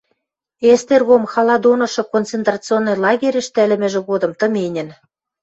Эстергом хала донышы концентрационный лагерьӹштӹ ӹлӹмӹжӹ годым тыменьӹн...